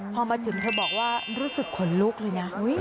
พอมาถึงเธอบอกว่ารู้สึกขนลุกเลยนะ